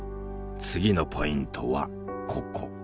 次のポイントはここ。